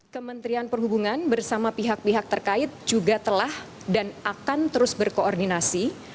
kementerian perhubungan bersama pihak pihak terkait juga telah dan akan terus berkoordinasi